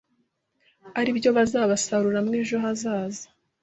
aribyo bazabasaruramo ejo hazaza